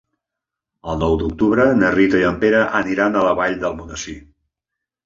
El nou d'octubre na Rita i en Pere iran a la Vall d'Almonesir.